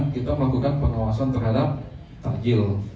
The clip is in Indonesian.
kita melakukan pengawasan terhadap takjil